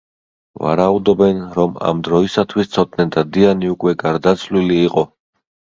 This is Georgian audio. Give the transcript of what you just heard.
ვარაუდობენ, რომ ამ დროისათვის ცოტნე დადიანი უკვე გარდაცვლილი იყო.